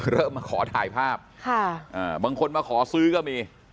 เริ่มมาขอถ่ายภาพบางคนมาขอซื้อก็มี